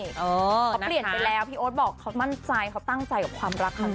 เขาเปลี่ยนไปแล้วพี่โอ๊ตบอกเขามั่นใจเขาตั้งใจกับความรักครั้งนี้